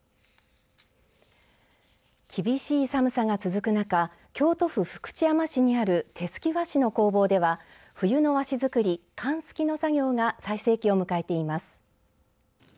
厳しい寒さが続く中京都府福知山市にある手すき和紙の工房では冬の和紙作り、寒すきの作業が最盛期を迎えています。